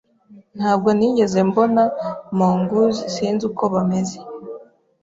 Ntabwo nigeze mbona mongoose, sinzi uko bameze.